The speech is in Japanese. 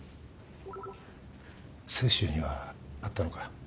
清舟には会ったのか？